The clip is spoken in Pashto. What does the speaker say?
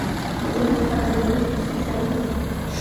د علومو اکاډمۍ هڅې د ستاینې وړ دي.